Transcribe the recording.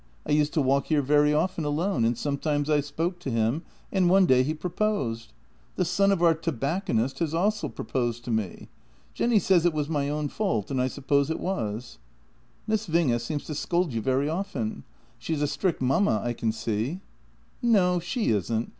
I used to walk here very often alone, and sometimes I spoke to him, and one day he proposed. The son of our tobacconist has also proposed to me. Jenny says it was my own fault, and I sup pose it was." " Miss Winge seems to scold you very often. She is a strict mamma, I can see." "No, she isn't.